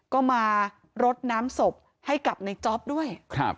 ก็มารดน้ำศพให้กับในจ๊อปด้วย